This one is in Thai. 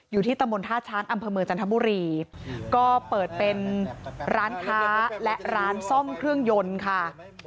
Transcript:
อยู่ที่ตำบลท่าช้างอำเภอเมืองจันทบุรีก็เปิดเป็นร้านค้าและร้านซ่อมเครื่องยนต์ค่ะ